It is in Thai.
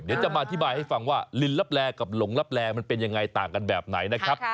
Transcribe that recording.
เดี๋ยวจะมาอธิบายให้ฟังว่าลินลับแลกับหลงลับแลมันเป็นยังไงต่างกันแบบไหนนะครับ